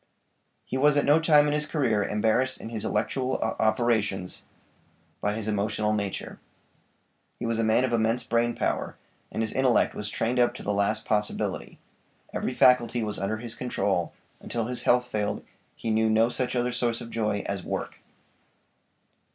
He was at no time in his career embarrassed in his intellectual operations by his emotional nature; he was a man of immense brain power, and his intellect was trained up to the last possibility; every faculty was under his control; until his health failed he knew no such other source of joy as WORK.